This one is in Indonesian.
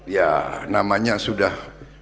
ya namanya sudah